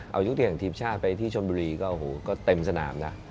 เอายุทีห่างทีพชาติไปที่ชนบุรีก็เต็มสนามนะ